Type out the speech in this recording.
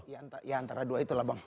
ya antara dua itulah bang